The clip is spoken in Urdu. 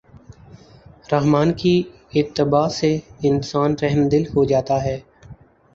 رحمٰن کی اتباع سے انسان رحمدل ہو جاتا ہے۔